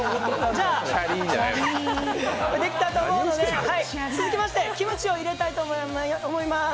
じゃあ、できたと思うので続きましてキムチを入れたいと思います。